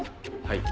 はい。